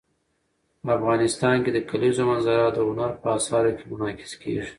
افغانستان کې د کلیزو منظره د هنر په اثار کې منعکس کېږي.